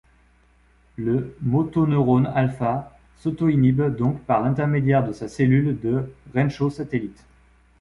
Le motoneurone alpha s'autoinhibe donc par l'intermédiaire de sa cellule de Renshaw satellite.